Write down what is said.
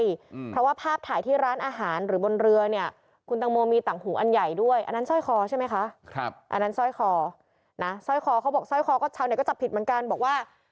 อืมเพราะว่าภาพถ่ายที่ร้านอาหารหรือบนเรือเนี่ยคุณตังโมมีต่างหูอันใหญ่ด้วยอันนั้นสร้อยคอใช่ไหมคะครับอันนั้นสร้อยคอนะสร้อยคอเขาบอกสร้อยคอก็ชาวเน็ตก็จับผิดเหมือนกันบอกว่า